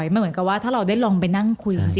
มันเหมือนกับว่าถ้าเราได้ลองไปนั่งคุยจริง